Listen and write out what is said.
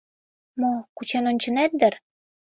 — Мо, кучен ончынет дыр?